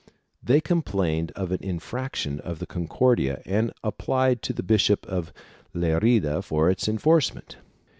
They complained of an infraction of the Concordia and applied to the Bishop of Lerida for its enforcement.